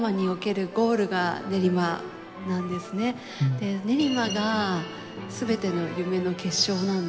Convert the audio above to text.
で練馬が全ての夢の結晶なんです。